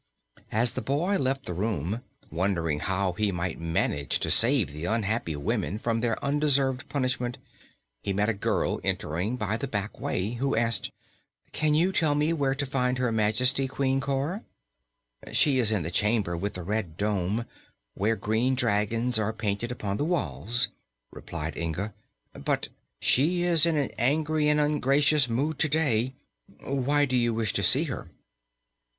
As the boy left the room, wondering how he might manage to save the unhappy women from their undeserved punishment, he met a girl entering by the back way, who asked: "Can you tell me where to find Her Majesty, Queen Cor?" "She is in the chamber with the red dome, where green dragons are painted upon the walls," replied Inga; "but she is in an angry and ungracious mood to day. Why do you wish to see her?"